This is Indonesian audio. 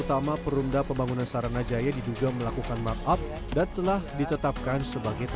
utama perundang pembangunan saranajaya diduga melakukan map up dan telah ditetapkan sebagai